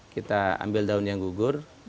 kita ambil daun yang gugur